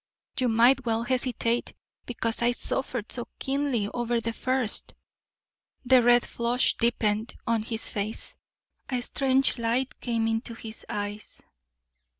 "You might well hesitate, because I suffered so keenly over the first." The red flush deepened on his face, a strange light came into his eyes.